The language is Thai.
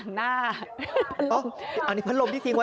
เจ้าของห้องเช่าโพสต์คลิปนี้